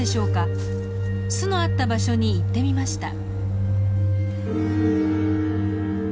巣のあった場所に行ってみました。